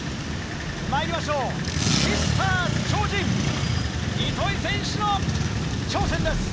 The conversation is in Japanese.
まいりましょうミスター超人糸井選手の挑戦です。